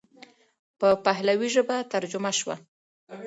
په پهلوي ژبه ترجمه شوه.